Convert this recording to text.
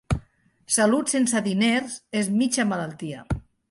Salut sense diners és mitja malaltia.